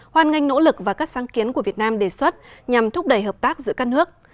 hoan nghênh nỗ lực và các sáng kiến của việt nam đề xuất nhằm thúc đẩy hợp tác giữa các nước